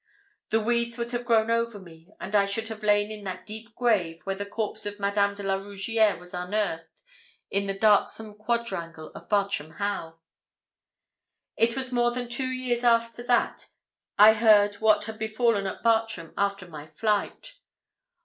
The weeds would have grown over me, and I should have lain in that deep grave where the corpse of Madame de la Rougierre was unearthed in the darksome quadrangle of Bartram Haugh. It was more than two years after that I heard what had befallen at Bartram after my flight.